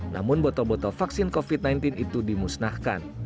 namun botol botol vaksin covid sembilan belas itu dimusnahkan